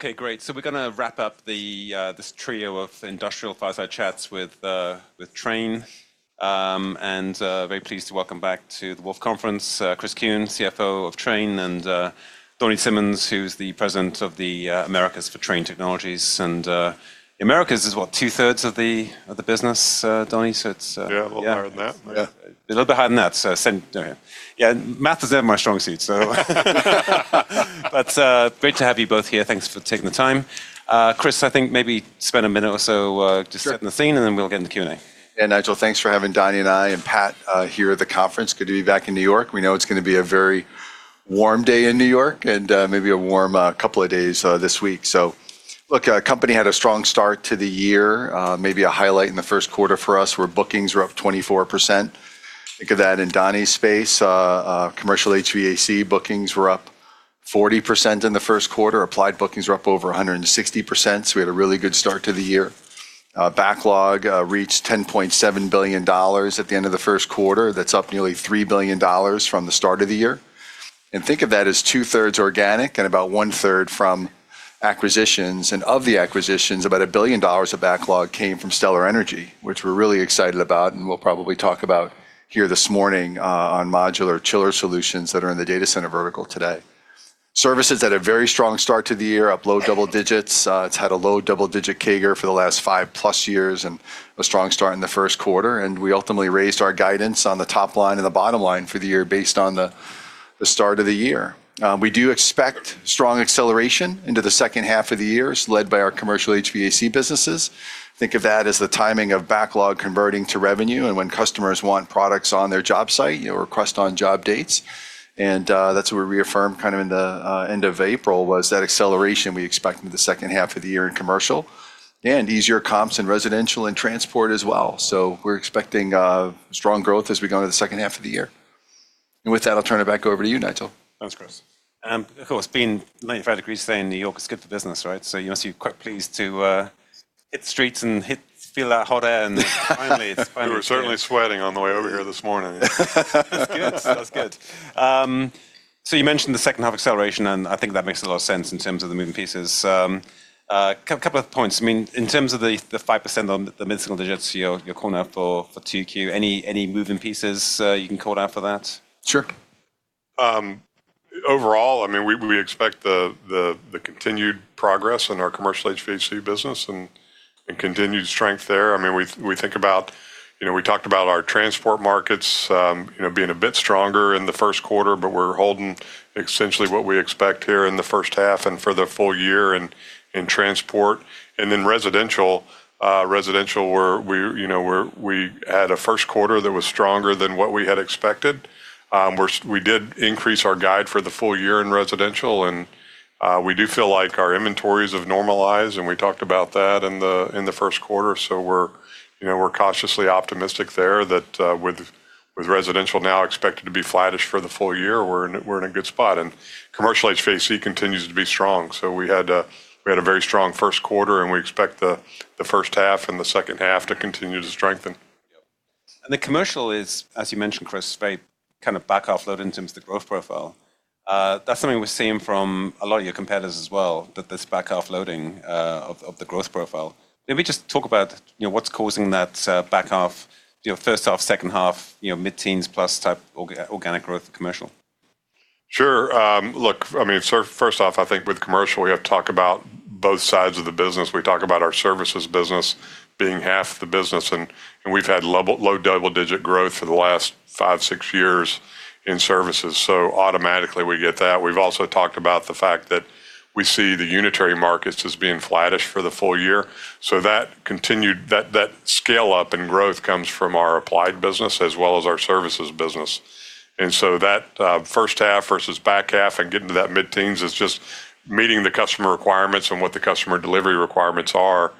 Okay, great. We're going to wrap up this trio of industrial fireside chats with Trane. Very pleased to welcome back to the Wolfe Conference, Chris Kuehn, CFO of Trane, and Donny Simmons, who's the President of the Americas for Trane Technologies. The Americas is what? Two-thirds of the business, Donny? Yeah, a little bit higher than that. Yeah. A little bit higher than that. Yeah. Math is never my strong suit, so Great to have you both here. Thanks for taking the time. Chris, I think maybe spend a minute or so just- Sure setting the scene, and then we'll get into Q&A. Yeah, Nigel, thanks for having Donny and I and Pat here at the conference. Good to be back in New York. We know it's going to be a very warm day in New York, and maybe a warm couple of days this week. Look, our company had a strong start to the year. Maybe a highlight in the first quarter for us were bookings were up 24%. Think of that in Donny's space. Commercial HVAC bookings were up 40% in the first quarter. Applied bookings were up over 160%. We had a really good start to the year. Backlog reached $10.7 billion at the end of the first quarter. That's up nearly $3 billion from the start of the year. Think of that as two-thirds organic and about one-third from acquisitions. Of the acquisitions, about $1 billion of backlog came from Stellar Energy, which we're really excited about, and we'll probably talk about here this morning on modular chiller solutions that are in the data center vertical today. Services had a very strong start to the year, up low double digits. It's had a low double-digit CAGR for the last five plus years, and a strong start in the first quarter. We ultimately raised our guidance on the top line and the bottom line for the year based on the start of the year. We do expect strong acceleration into the second half of the year, led by our commercial HVAC businesses. Think of that as the timing of backlog converting to revenue, and when customers want products on their job site, request on-job dates. That's what we reaffirmed kind of in the end of April, was that acceleration we expect in the second half of the year in commercial. Easier comps in residential and transport as well. We're expecting strong growth as we go into the second half of the year. With that, I'll turn it back over to you, Nigel. Thanks, Chris. Of course, being 95 degrees today in N.Y. is good for business, right? You must be quite pleased to hit the streets and feel that hot air. Finally, it's finally here. We were certainly sweating on the way over here this morning. That's good. You mentioned the second half acceleration, and I think that makes a lot of sense in terms of the moving pieces. A couple of points. In terms of the 5% on the mid-single digits, your call-out for 2Q, any moving pieces you can call out for that? Sure. Overall, we expect the continued progress in our commercial HVAC business and continued strength there. We talked about our transport markets being a bit stronger in the first quarter, but we're holding essentially what we expect here in the first half and for the full year in transport. In residential, we had a first quarter that was stronger than what we had expected. We did increase our guide for the full year in residential, and we do feel like our inventories have normalized, and we talked about that in the first quarter. We're cautiously optimistic there that with residential now expected to be flattish for the full year, we're in a good spot. Commercial HVAC continues to be strong, so we had a very strong first quarter, and we expect the first half and the second half to continue to strengthen. Yep. The commercial is, as you mentioned, Chris, very kind of back-half load in terms of the growth profile. That's something we're seeing from a lot of your competitors as well, this back-half loading of the growth profile. Maybe just talk about what's causing that back half, first half, second half, mid-teens plus type organic growth commercial. Sure. Look, first off, I think with commercial, we have to talk about both sides of the business. We talk about our services business being half the business, and we've had low double-digit growth for the last 5, 6 years in services. Automatically, we get that. We've also talked about the fact that we see the unitary markets as being flattish for the full year. That scale-up and growth comes from our applied business as well as our services business. That first half versus back half and getting to that mid-teens is just meeting the customer requirements and what the customer delivery requirements are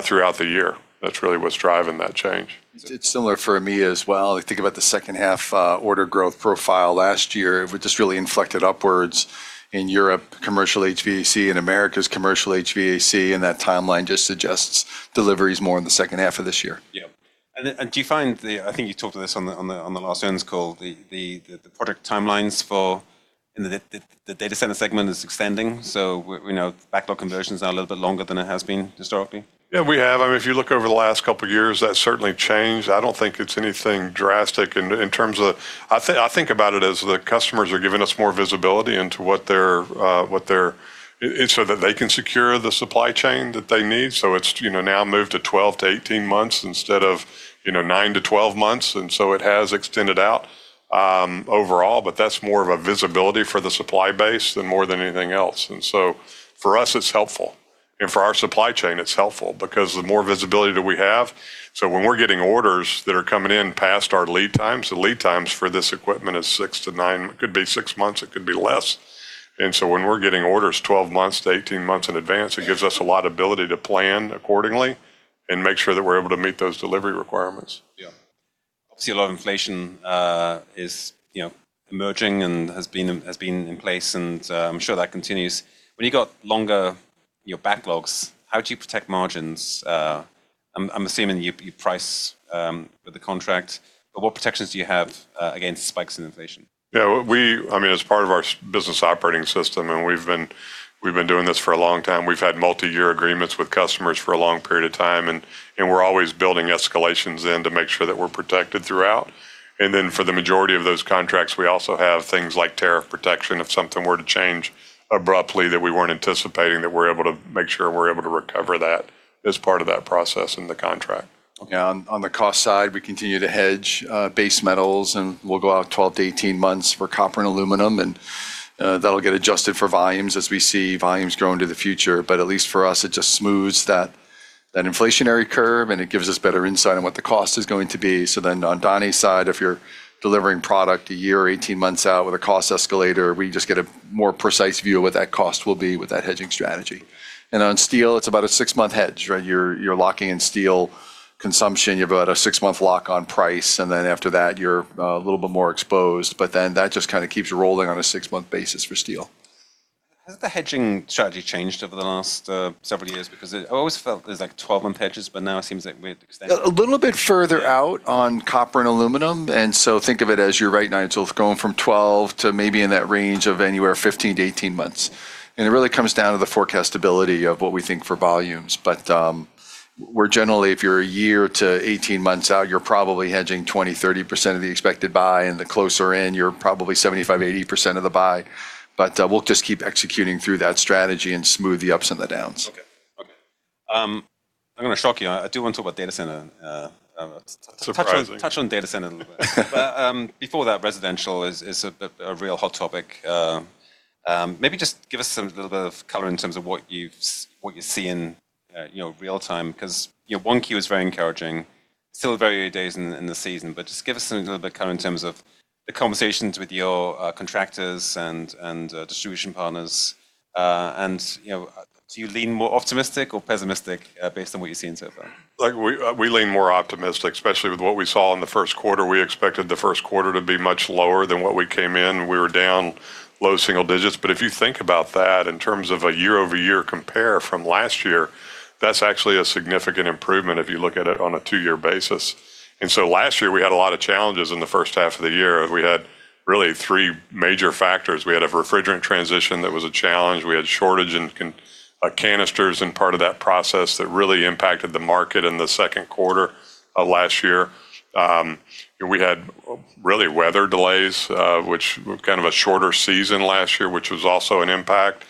throughout the year. That's really what's driving that change. It's similar for me as well. I think about the second half order growth profile last year. It just really inflected upwards in Europe commercial HVAC and Americas commercial HVAC. That timeline just suggests delivery's more in the second half of this year. Yeah. Do you find the, I think you talked to this on the last earnings call, the product timelines for the data center segment is extending, so backlog conversions are a little bit longer than it has been historically? Yeah, we have. If you look over the last couple of years, that certainly changed. I don't think it's anything drastic. I think about it as the customers are giving us more visibility so that they can secure the supply chain that they need. It's now moved to 12 to 18 months instead of 9 to 12 months. It has extended out overall, but that's more of a visibility for the supply base more than anything else. For us, it's helpful. For our supply chain, it's helpful because the more visibility that we have, so when we're getting orders that are coming in past our lead times, the lead times for this equipment is 6 to 9, it could be 6 months, it could be less. When we're getting orders 12 months to 18 months in advance, it gives us a lot of ability to plan accordingly and make sure that we're able to meet those delivery requirements. Yeah. Obviously, a lot of inflation is emerging and has been in place, and I'm sure that continues. When you've got longer backlogs, how do you protect margins? I'm assuming you price with the contract, but what protections do you have against spikes in inflation? Yeah. As part of our business operating system, and we've been doing this for a long time, we've had multi-year agreements with customers for a long period of time, and we're always building escalations in to make sure that we're protected throughout. For the majority of those contracts, we also have things like tariff protection if something were to change abruptly that we weren't anticipating, that we're able to make sure we're able to recover that as part of that process in the contract. Yeah. On the cost side, we continue to hedge base metals. We'll go out 12 to 18 months for copper and aluminum, and that'll get adjusted for volumes as we see volumes grow into the future. At least for us, it just smooths that inflationary curve, and it gives us better insight on what the cost is going to be. On Donny's side, if you're delivering product a year or 18 months out with a cost escalator, we just get a more precise view of what that cost will be with that hedging strategy. On steel, it's about a 6-month hedge. You're locking in steel consumption. You have about a 6-month lock on price. After that you're a little bit more exposed. That just kind of keeps you rolling on a 6-month basis for steel. Has the hedging strategy changed over the last several years? Because I've always felt there's 12-month hedges, but now it seems like we're extending- A little bit further out on copper and aluminum. Think of it as, you're right, Nigel, going from 12 to maybe in that range of anywhere 15-18 months. It really comes down to the forecastability of what we think for volumes. We're generally, if you're a year to 18 months out, you're probably hedging 20%-30% of the expected buy, and the closer in, you're probably 75%-80% of the buy. We'll just keep executing through that strategy and smooth the ups and the downs. Okay. I'm going to shock you. I do want to talk about data center. Surprising. Touch on data center a little bit. Before that residential is a real hot topic. Maybe just give us a little bit of color in terms of what you see in real time. 1Q is very encouraging. Still very early days in the season, but just give us a little bit of color in terms of the conversations with your contractors and distribution partners. Do you lean more optimistic or pessimistic based on what you've seen so far? We lean more optimistic, especially with what we saw in the first quarter. We expected the first quarter to be much lower than what we came in. We were down low single digits. If you think about that in terms of a year-over-year compare from last year, that's actually a significant improvement if you look at it on a two-year basis. Last year we had a lot of challenges in the first half of the year. We had really three major factors. We had a refrigerant transition that was a challenge. We had shortage in canisters in part of that process that really impacted the market in the second quarter of last year. We had weather delays, which, a shorter season last year, which was also an impact.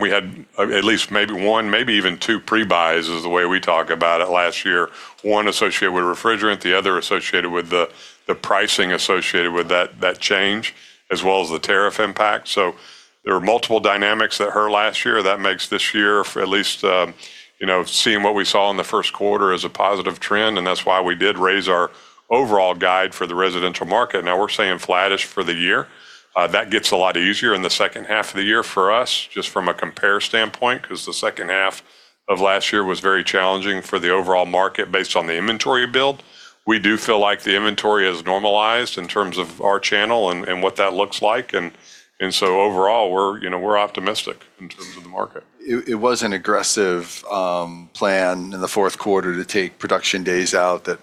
We had at least maybe 1, maybe even 2 pre-buys is the way we talk about it last year. One associated with refrigerant, the other associated with the pricing associated with that change as well as the tariff impact. There were multiple dynamics that hurt last year. That makes this year, for at least, seeing what we saw in the first quarter as a positive trend, and that's why we did raise our overall guide for the residential market. Now we're saying flattish for the year. That gets a lot easier in the second half of the year for us, just from a compare standpoint, because the second half of last year was very challenging for the overall market based on the inventory build. We do feel like the inventory is normalized in terms of our channel and what that looks like, and so overall we're optimistic in terms of the market. It was an aggressive plan in the fourth quarter to take production days out that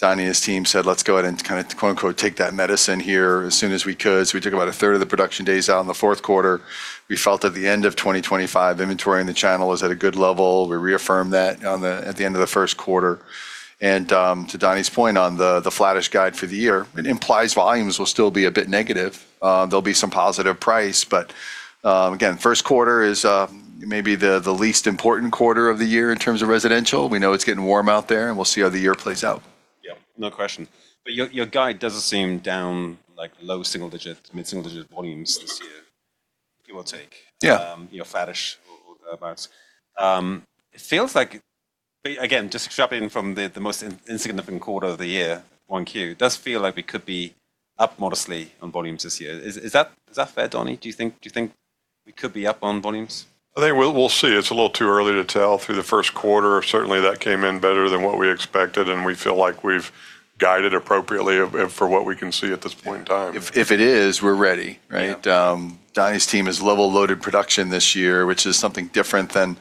Donny Simmons and his team said, "Let's go ahead and kind of, quote unquote, take that medicine here as soon as we could." We took about a third of the production days out in the fourth quarter. We felt at the end of 2025, inventory in the channel is at a good level. We reaffirmed that at the end of the first quarter. To Donny Simmons's point on the flattish guide for the year, it implies volumes will still be a bit negative. There'll be some positive price, again, first quarter is maybe the least important quarter of the year in terms of residential. We know it's getting warm out there, we'll see how the year plays out. Yeah, no question. Your guide doesn't seem down like low single-digit, mid-single-digit volumes this year, give or take. Yeah. Flattish or about. It feels like, again, just extrapolating from the most insignificant quarter of the year, 1Q, it does feel like we could be up modestly on volumes this year. Is that fair, Donny? Do you think we could be up on volumes? I think we'll see. It's a little too early to tell through the first quarter. Certainly, that came in better than what we expected, and we feel like we've guided appropriately for what we can see at this point in time. If it is, we're ready, right? Yeah. Donny's team has level loaded production this year, which is something different than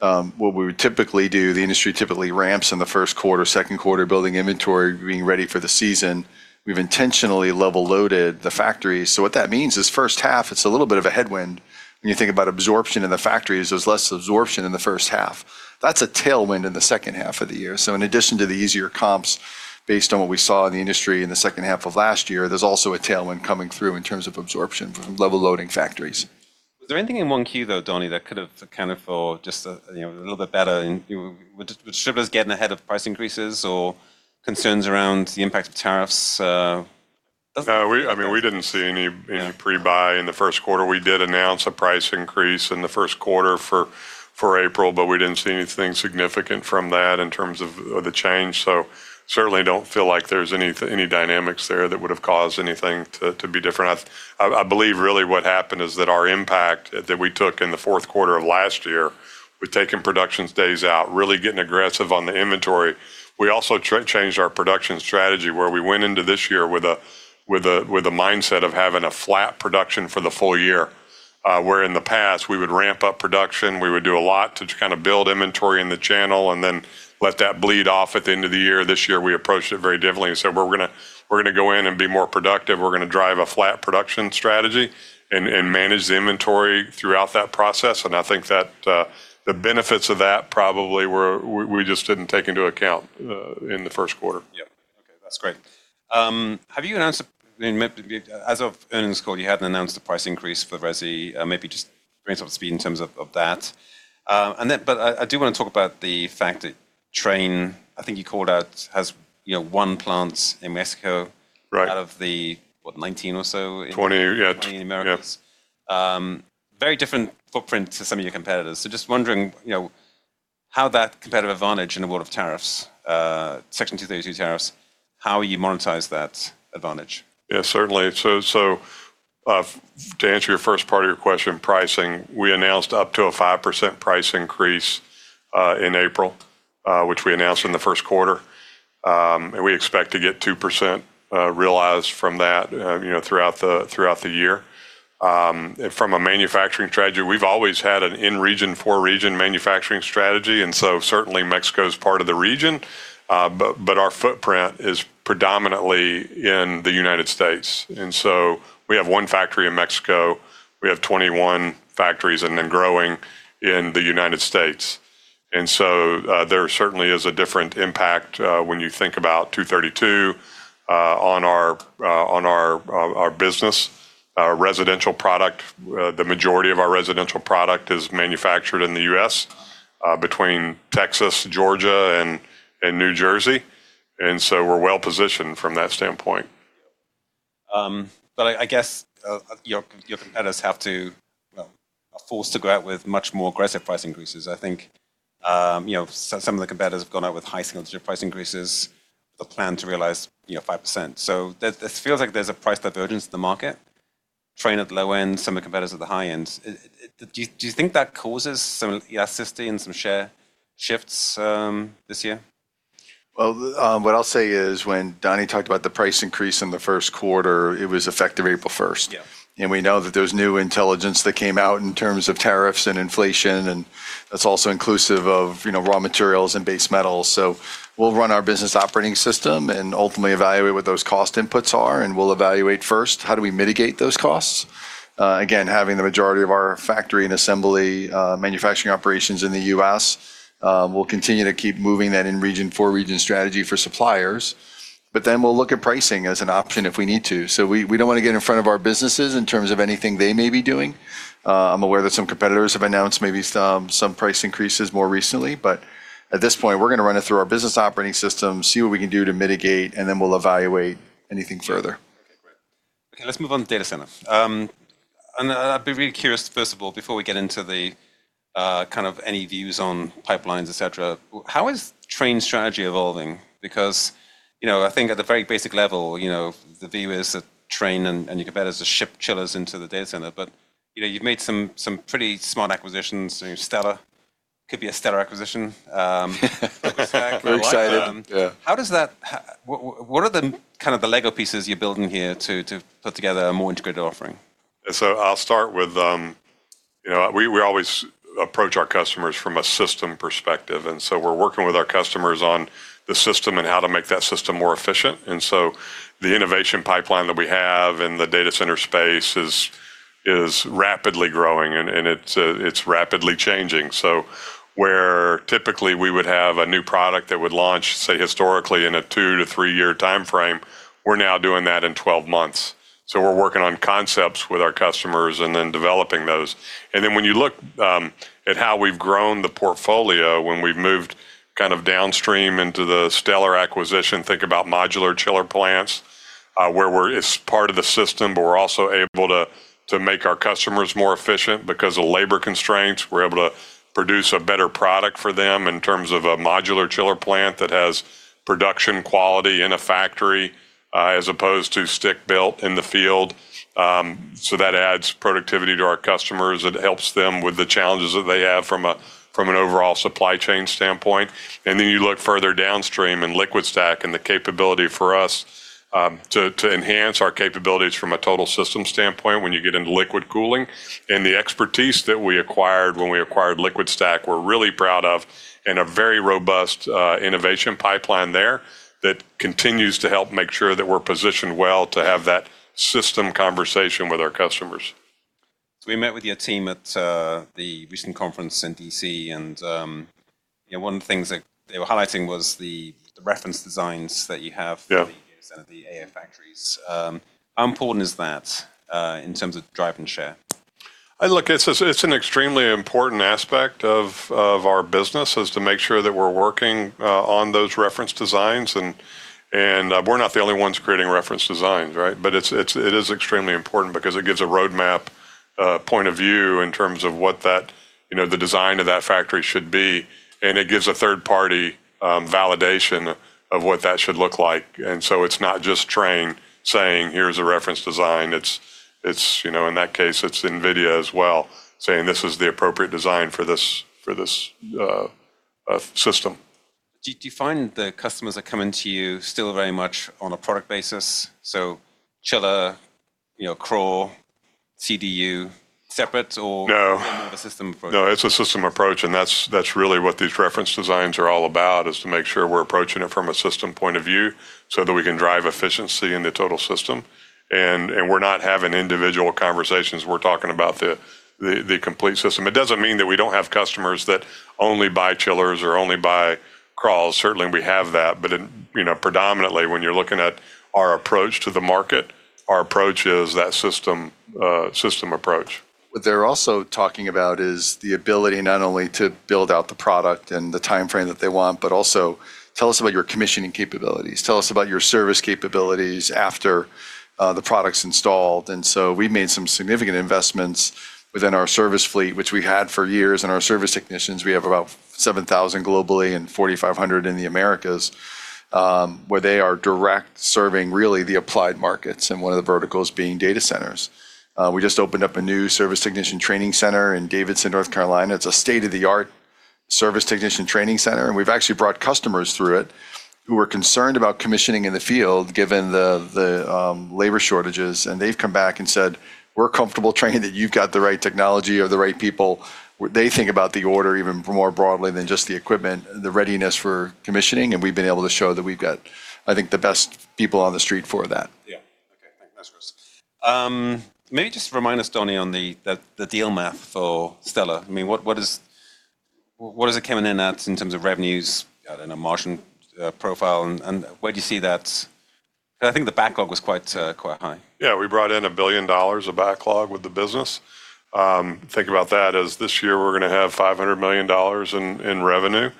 what we would typically do. The industry typically ramps in the first quarter, second quarter, building inventory, being ready for the season. We've intentionally level loaded the factories. What that means is first half, it's a little bit of a headwind when you think about absorption in the factories. There's less absorption in the first half. That's a tailwind in the second half of the year. In addition to the easier comps based on what we saw in the industry in the second half of last year, there's also a tailwind coming through in terms of absorption from level loading factories. Was there anything in 1Q, though, Donny, that could have accounted for just a little bit better? Were distributors getting ahead of price increases or concerns around the impact of tariffs? No. We didn't see any pre-buy in the first quarter. We did announce a price increase in the first quarter for April, but we didn't see anything significant from that in terms of the change. Certainly don't feel like there's any dynamics there that would've caused anything to be different. I believe really what happened is that our impact that we took in the fourth quarter of last year with taking production days out, really getting aggressive on the inventory. We also changed our production strategy where we went into this year with a mindset of having a flat production for the full year. In the past, we would ramp up production, we would do a lot to just kind of build inventory in the channel and then let that bleed off at the end of the year. This year, we approached it very differently and said, "We're going to go in and be more productive. We're going to drive a flat production strategy and manage the inventory throughout that process." I think that the benefits of that probably were, we just didn't take into account in the first quarter. Yeah. Okay, that's great. Have you announced, as of earnings call, you hadn't announced a price increase for resi. Maybe just bring us up to speed in terms of that. I do want to talk about the fact that Trane, I think you called out, has one plant in Mexico- Right out of the, what, 19 or so? Yeah. 20 in the Americas. Yeah. Very different footprint to some of your competitors. Just wondering, how that competitive advantage in the world of tariffs, Section 232 tariffs, how you monetize that advantage? Certainly. To answer your first part of your question, pricing, we announced up to a 5% price increase in April, which we announced in the first quarter. We expect to get 2% realized from that throughout the year. From a manufacturing strategy, we've always had an in region, for region manufacturing strategy, certainly Mexico's part of the region. Our footprint is predominantly in the U.S., we have one factory in Mexico. We have 21 factories growing in the U.S. There certainly is a different impact when you think about 232 on our business. Residential product, the majority of our residential product is manufactured in the U.S., between Texas, Georgia, and New Jersey, we're well positioned from that standpoint. I guess your competitors have to, well, are forced to go out with much more aggressive price increases. I think some of the competitors have gone out with high single-digit price increases. The plan to realize 5%. It feels like there's a price divergence to the market. Trane at the low end, some of the competitors at the high end. Do you think that causes some elasticity and some share shifts this year? Well, what I'll say is, when Donny talked about the price increase in the first quarter, it was effective April 1st. Yeah. We know that there's new intelligence that came out in terms of tariffs and inflation, and that's also inclusive of raw materials and base metals. We'll run our business operating system and ultimately evaluate what those cost inputs are, and we'll evaluate first, how do we mitigate those costs? Again, having the majority of our factory and assembly manufacturing operations in the U.S. We'll continue to keep moving that in region, for region strategy for suppliers. Then we'll look at pricing as an option if we need to. We don't want to get in front of our businesses in terms of anything they may be doing. I'm aware that some competitors have announced maybe some price increases more recently, but at this point, we're going to run it through our business operating system, see what we can do to mitigate, and then we'll evaluate anything further. Yeah. Okay, great. Okay, let's move on to data center. I'd be really curious, first of all, before we get into any views on pipelines, et cetera, how is Trane's strategy evolving? Because, I think at the very basic level, the view is that Trane and your competitors are ship chillers into the data center, but you've made some pretty smart acquisitions. Stellar Energy. Could be a stellar acquisition. We're excited. Yeah. What are the Lego pieces you're building here to put together a more integrated offering? I'll start with, we always approach our customers from a system perspective, we're working with our customers on the system and how to make that system more efficient. The innovation pipeline that we have in the data center space is rapidly growing, and it's rapidly changing. Where typically we would have a new product that would launch, say, historically in a 2- to 3-year timeframe, we're now doing that in 12 months. We're working on concepts with our customers and then developing those. When you look at how we've grown the portfolio, when we've moved downstream into the Stellar acquisition, think about modular chiller plants, where we're part of the system, but we're also able to make our customers more efficient because of labor constraints. We're able to produce a better product for them in terms of a modular chiller plant that has production quality in a factory, as opposed to stick-built in the field. That adds productivity to our customers. It helps them with the challenges that they have from an overall supply chain standpoint. Then you look further downstream and LiquidStack and the capability for us to enhance our capabilities from a total system standpoint when you get into liquid cooling. The expertise that we acquired when we acquired LiquidStack, we're really proud of, and a very robust innovation pipeline there that continues to help make sure that we're positioned well to have that system conversation with our customers. we met with your team at the recent conference in D.C., one of the things that they were highlighting was the reference designs that you have. Yeah for the data center, the AI factories. How important is that, in terms of driving share? Look, it's an extremely important aspect of our business, is to make sure that we're working on those reference designs. We're not the only ones creating reference designs, right? It is extremely important because it gives a roadmap point of view in terms of what the design of that factory should be. It gives a third party validation of what that should look like. It's not just Trane saying, "Here's a reference design." In that case, it's NVIDIA as well saying, "This is the appropriate design for this system. Do you find the customers are coming to you still very much on a product basis? chiller, CRAH, CDU, separate or? No a system approach? No, it's a system approach, and that's really what these reference designs are all about, is to make sure we're approaching it from a system point of view so that we can drive efficiency in the total system. We're not having individual conversations. We're talking about the complete system. It doesn't mean that we don't have customers that only buy chillers or only buy CRAHs. Certainly, we have that. Predominantly, when you're looking at our approach to the market, our approach is that system approach. What they're also talking about is the ability not only to build out the product in the timeframe that they want, but also tell us about your commissioning capabilities. Tell us about your service capabilities after the product's installed. We made some significant investments within our service fleet, which we had for years. Our service technicians, we have about 7,000 globally and 4,500 in the Americas, where they are direct serving really the applied markets, and one of the verticals being data centers. We just opened up a new service technician training center in Davidson, North Carolina. It's a state-of-the-art service technician training center, and we've actually brought customers through it who are concerned about commissioning in the field, given the labor shortages. They've come back and said, "We're comfortable Trane, that you've got the right technology or the right people." They think about the order even more broadly than just the equipment, the readiness for commissioning, and we've been able to show that we've got, I think, the best people on the street for that. Yeah. Okay, thanks. That's useful. Maybe just remind us, Donny, on the deal math for Stellar Energy. What is it coming in at in terms of revenues and a margin profile, and where do you see that? I think the backlog was quite high. Yeah. We brought in $1 billion of backlog with the business. Think about that as this year, we're going to have $500 million in revenue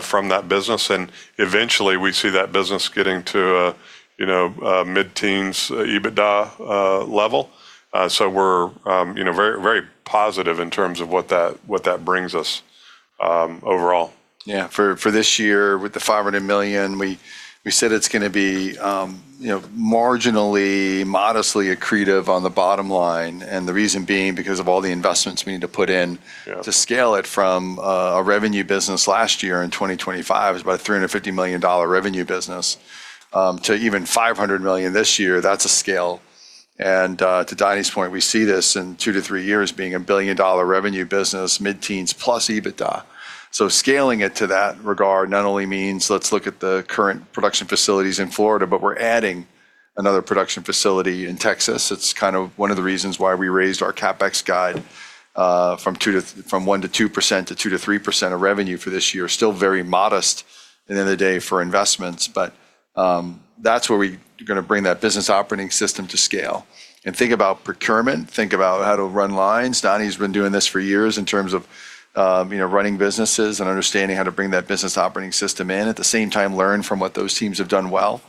from that business, and eventually, we see that business getting to a mid-teens EBITDA level. We're very positive in terms of what that brings us overall. Yeah. For this year, with the $500 million, we said it's going to be marginally, modestly accretive on the bottom line, and the reason being because of all the investments we need to put in. Yeah to scale it from a revenue business last year in 2025. It was about a $350 million revenue business, to even $500 million this year. That's a scale. To Donny's point, we see this in two to three years being a billion-dollar revenue business, mid-teens plus EBITDA. Scaling it to that regard not only means let's look at the current production facilities in Florida, but we're adding another production facility in Texas. It's kind of one of the reasons why we raised our CapEx guide from 1%-2% to 2%-3% of revenue for this year. Still very modest at the end of the day for investments. That's where we're going to bring that business operating system to scale. Think about procurement, think about how to run lines. Donny's been doing this for years in terms of running businesses and understanding how to bring that business operating system in. At the same time, learn from what those teams have done well.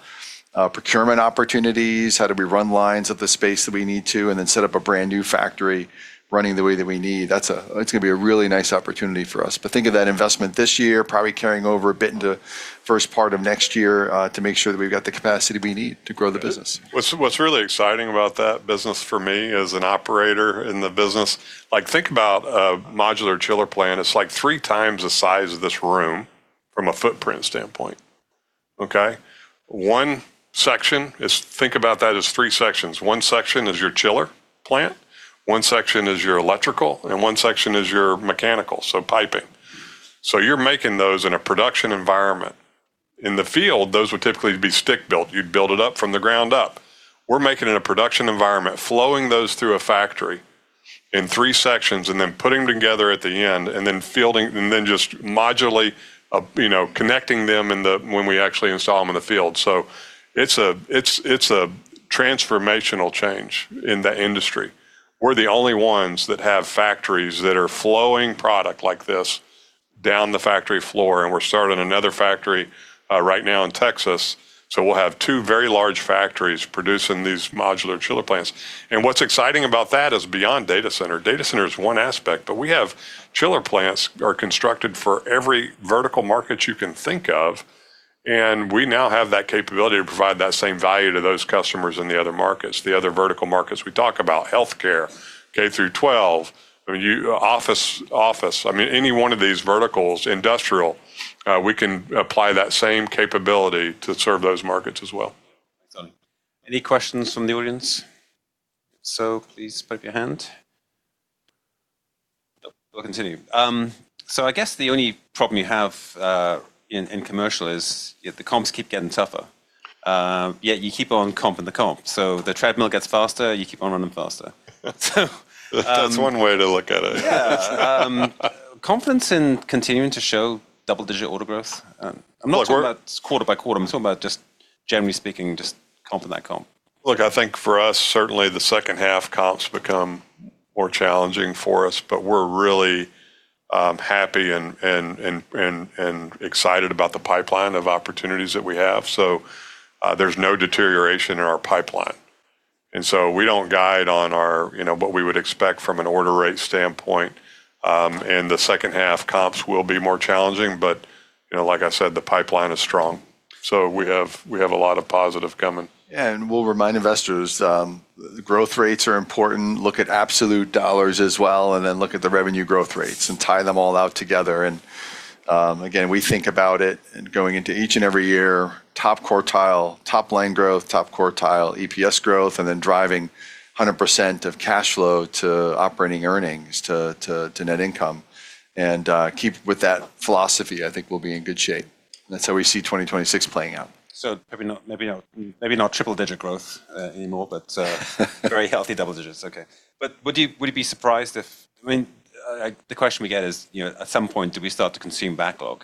Procurement opportunities, how do we run lines at the space that we need to, and then set up a brand new factory running the way that we need. That's going to be a really nice opportunity for us. Think of that investment this year probably carrying over a bit into first part of next year, to make sure that we've got the capacity we need to grow the business. What's really exciting about that business for me as an operator in the business, think about a modular chiller plant. It's like 3 times the size of this room from a footprint standpoint. Okay? Think about that as 3 sections. One section is your chiller plant, one section is your electrical, and one section is your mechanical, so piping. You're making those in a production environment. In the field, those would typically be stick-built. You'd build it up from the ground up. We're making it a production environment, flowing those through a factory in 3 sections and then putting them together at the end and then just modularly connecting them when we actually install them in the field. It's a transformational change in the industry. We're the only ones that have factories that are flowing product like this down the factory floor, and we're starting another factory right now in Texas. We'll have two very large factories producing these modular chiller plants. What's exciting about that is beyond data center. Data center is one aspect, but we have chiller plants are constructed for every vertical market you can think of, and we now have that capability to provide that same value to those customers in the other markets, the other vertical markets we talk about. Healthcare, K through 12, office. Any one of these verticals, industrial, we can apply that same capability to serve those markets as well. Excellent. Any questions from the audience? Please put up your hand. Nope. We'll continue. I guess the only problem you have in commercial is the comps keep getting tougher. Yet you keep on comping the comp. The treadmill gets faster, you keep on running faster. That's one way to look at it. Yeah. Confidence in continuing to show double-digit order growth. I'm not talking about quarter by quarter, I'm talking about just generally speaking, just comping that comp. I think for us, certainly the second half comps become more challenging for us, but we're really happy and excited about the pipeline of opportunities that we have. There's no deterioration in our pipeline. We don't guide on what we would expect from an order rate standpoint. In the second half, comps will be more challenging, but like I said, the pipeline is strong. We have a lot of positive coming. We'll remind investors, growth rates are important. Look at absolute dollars as well, and then look at the revenue growth rates and tie them all out together. Again, we think about it, going into each and every year, top quartile, top-line growth, top quartile EPS growth, and then driving 100% of cash flow to operating earnings to net income. Keep with that philosophy, I think we'll be in good shape. That's how we see 2026 playing out. Maybe not triple-digit growth anymore, but very healthy double digits. Okay. Would you be surprised if the question we get is, at some point, do we start to consume backlog?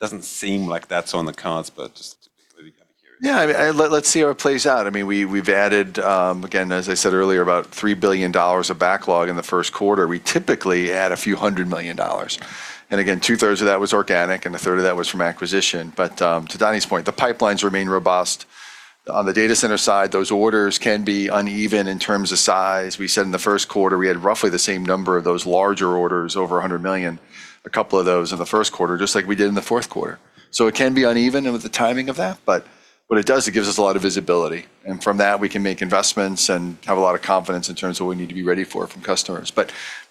Doesn't seem like that's on the cards, but just typically kind of curious. Yeah. Let's see how it plays out. We've added, again, as I said earlier, about $3 billion of backlog in the first quarter. We typically add a few hundred million dollars. Again, two-thirds of that was organic, and a third of that was from acquisition. To Donny's point, the pipelines remain robust. On the data center side, those orders can be uneven in terms of size. We said in the first quarter, we had roughly the same number of those larger orders, over $100 million, a couple of those in the first quarter, just like we did in the fourth quarter. It can be uneven with the timing of that, but what it does, it gives us a lot of visibility. From that, we can make investments and have a lot of confidence in terms of what we need to be ready for from customers.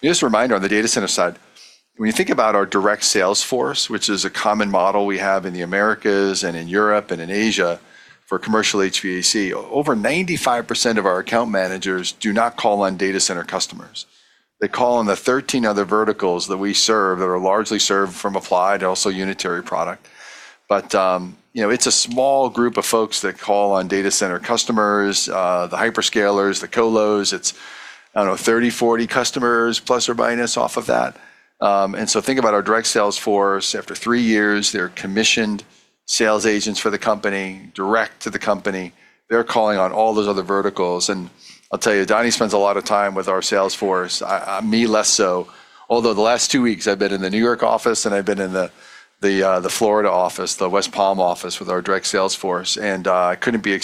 Just a reminder, on the data center side, when you think about our direct sales force, which is a common model we have in the Americas and in Europe and in Asia for commercial HVAC, over 95% of our account managers do not call on data center customers. They call on the 13 other verticals that we serve that are largely served from Applied and also unitary product. It's a small group of folks that call on data center customers, the hyperscalers, the colos. It's 30, 40 customers plus or minus off of that. Think about our direct sales force. After three years, they're commissioned sales agents for the company, direct to the company. They're calling on all those other verticals. I'll tell you, Donny spends a lot of time with our sales force, me less so. Although the last 2 weeks, I've been in the New York office, and I've been in the Florida office, the West Palm office, with our direct sales force, and I couldn't be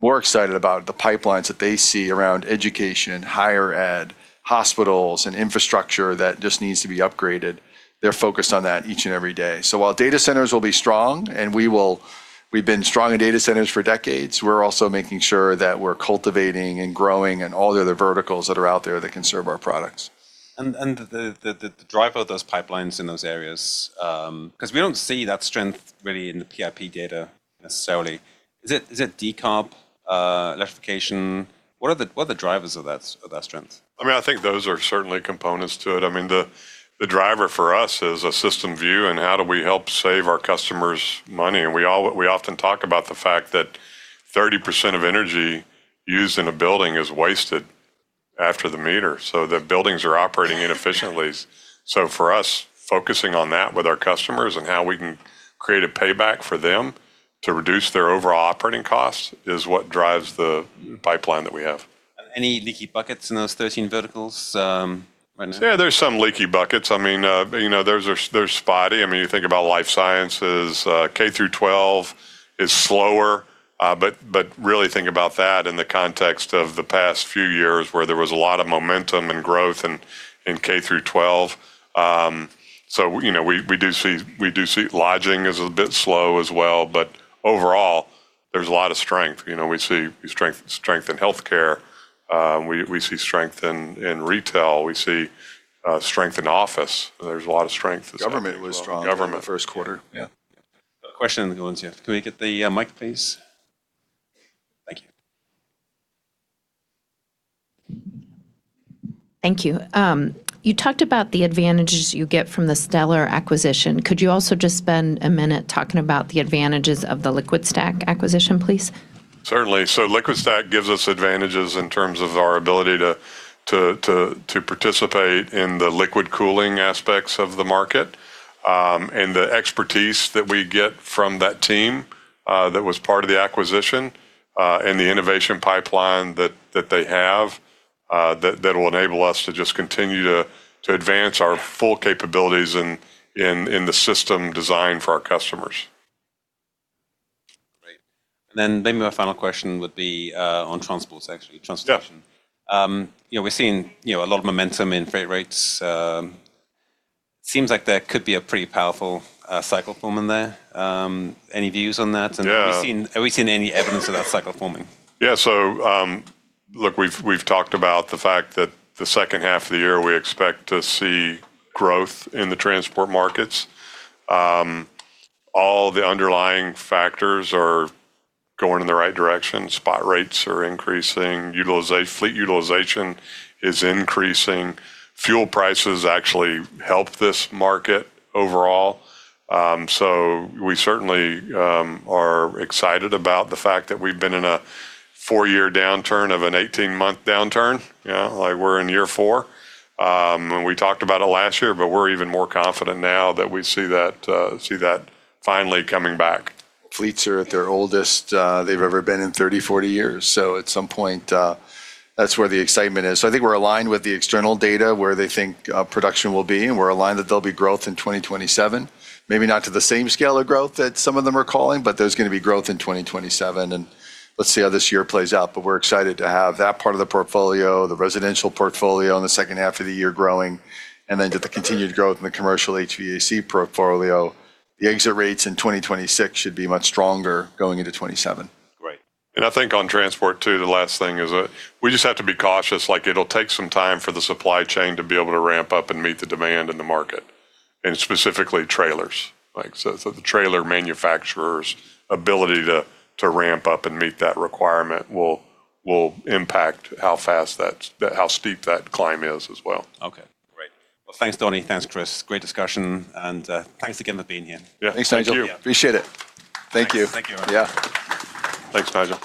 more excited about the pipelines that they see around education, higher ed, hospitals, and infrastructure that just needs to be upgraded. They're focused on that each and every day. While data centers will be strong, and we've been strong in data centers for decades, we're also making sure that we're cultivating and growing in all the other verticals that are out there that can serve our products. The driver of those pipelines in those areas, because we don't see that strength really in the ABI data necessarily. Is it decarb, electrification? What are the drivers of that strength? I think those are certainly components to it. The driver for us is a system view and how do we help save our customers money. We often talk about the fact that 30% of energy used in a building is wasted after the meter, so the buildings are operating inefficiently. For us, focusing on that with our customers and how we can create a payback for them to reduce their overall operating costs is what drives the pipeline that we have. Any leaky buckets in those 13 verticals right now? Yeah, there's some leaky buckets. They're spotty. You think about life sciences. K through 12 is slower, but really think about that in the context of the past few years, where there was a lot of momentum and growth in K through 12. Lodging is a bit slow as well, but overall, there's a lot of strength. We see strength in healthcare. We see strength in retail. We see strength in office. There's a lot of strength. Government was strong. Government in the first quarter. Yeah. A question in the audience, yeah. Can we get the mic, please? Thank you. Thank you. You talked about the advantages you get from the Stellar acquisition. Could you also just spend a minute talking about the advantages of the LiquidStack acquisition, please? Certainly. LiquidStack gives us advantages in terms of our ability to participate in the liquid cooling aspects of the market, and the expertise that we get from that team that was part of the acquisition, and the innovation pipeline that they have, that will enable us to just continue to advance our full capabilities in the system design for our customers. Great. Maybe my final question would be on transport, actually. Transportation. Yeah. We're seeing a lot of momentum in freight rates. Seems like there could be a pretty powerful cycle forming there. Any views on that? Yeah. Are we seeing any evidence of that cycle forming? Yeah. Look, we've talked about the fact that the second half of the year, we expect to see growth in the transport markets. All the underlying factors are going in the right direction. spot rates are increasing. Fleet utilization is increasing. Fuel prices actually help this market overall. We certainly are excited about the fact that we've been in a four-year downturn of an 18-month downturn. We're in year four. We talked about it last year, but we're even more confident now that we see that finally coming back. Fleets are at their oldest they've ever been in 30, 40 years. At some point, that's where the excitement is. I think we're aligned with the external data, where they think production will be, and we're aligned that there'll be growth in 2027. Maybe not to the same scale of growth that some of them are calling, but there's going to be growth in 2027, and let's see how this year plays out. We're excited to have that part of the portfolio, the residential portfolio in the second half of the year growing, and then get the continued growth in the commercial HVAC portfolio. The exit rates in 2026 should be much stronger going into '27. Great. I think on transport too, the last thing is that we just have to be cautious. It'll take some time for the supply chain to be able to ramp up and meet the demand in the market, and specifically trailers. The trailer manufacturers' ability to ramp up and meet that requirement will impact how steep that climb is as well. Okay, great. Well, thanks, Donny. Thanks, Chris. Great discussion, thanks again for being here. Yeah. Thanks, Nigel. Thank you. Appreciate it. Thank you. Thank you. Yeah. Thanks, Nigel.